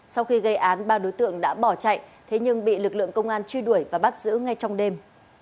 sau khi gây án ba đối tượng đã bỏ chạy thế nhưng bị lực lượng công an truy đuổi và bắt giữ ngay trong đêm